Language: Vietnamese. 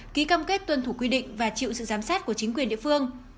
ký cam kết tuân thủ quy định và chịu sự giám sát của chính quyền địa phương